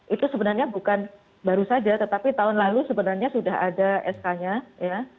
itu sebenarnya bukan baru saja tetapi tahun lalu sebenarnya sudah ada sk nya ya